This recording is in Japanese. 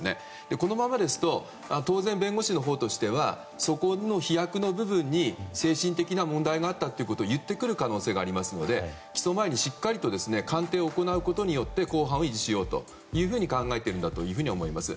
このままですと当然、弁護士のほうとしてはそこの飛躍の部分に精神的な問題があったと言ってくる可能性もありますので起訴前にしっかりと鑑定を行うことによって公判を維持しようと考えているんだと思います。